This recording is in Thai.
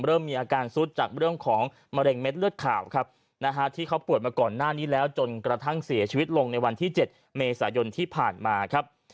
เริ่มมีอาการซุดจากเรื่องของมะเร็งเม็ดเลือดขาวครับนะฮะที่เขาป่วยมาก่อนหน้านี้แล้วจนกระทั่งเสียชีวิตลงในวันที่๗เมษายนที่ผ่านมาครับ